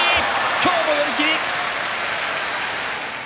今日も寄り切り。